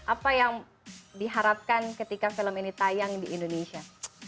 apa yang diharapkan ketika film ini tayang di indonesia